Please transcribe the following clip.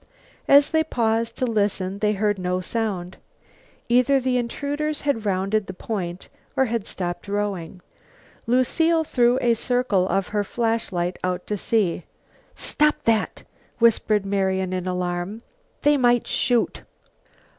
As they paused to listen they heard no sound. Either the intruders had rounded the point or had stopped rowing. Lucile threw the circle of her flashlight out to sea. "Stop that!" whispered Marian in alarm. "They might shoot."